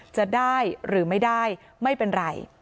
จะได้หรือไม่ได้ไม่เป็นไร